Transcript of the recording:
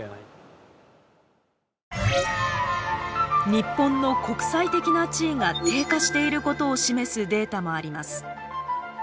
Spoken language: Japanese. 日本の国際的な地位が低下していることを示すデータもあります。